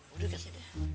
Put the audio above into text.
udah kasih dah